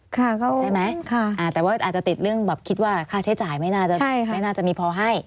ใช่ไหมแต่ว่าอาจจะติดเรื่องแบบคิดว่าค่าใช้จ่ายไม่น่าจะไม่น่าจะมีพอให้